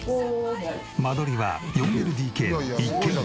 間取りは４ＬＤＫの一軒家。